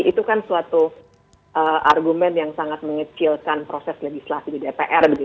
itu kan suatu argumen yang sangat mengecilkan proses legislasi di dpr